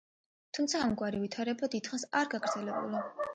თუმცა ამგვარი ვითარება დიდხანს არ გაგრძელებულა.